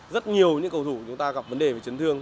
rất nhiều những cầu thủ chúng ta gặp vấn đề về chấn thương